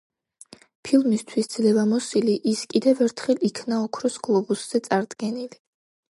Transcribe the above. ფილმისათვის „ძლევამოსილი“ ის კიდევ ერთხელ იქნა ოქროს გლობუსზე წარდგენილი.